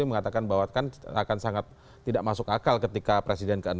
mengatakan bahwa kan akan sangat tidak masuk akal ketika presiden ke enam